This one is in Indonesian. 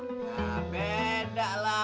nah beda lah